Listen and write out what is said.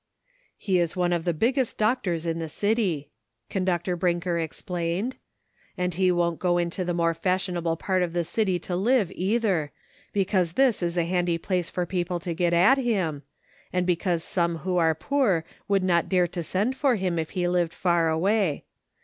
171 "He is one of the biggest doctors in the city," Conductor Brinker explaine<l, " and he won't go into the more fashionable part of the city to live, either, because tliis is a handy ])lace for peoi)le to get at him, and because some wlio are poor would not dare to send for him if he lived far away.